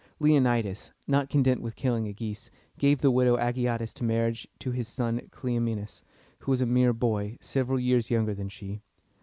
Leonidas, not content with killing Agis, gave the widow Agiatis in marriage to his son, Cle om´e nes, who was a mere boy, several years younger than she.